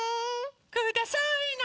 くださいな！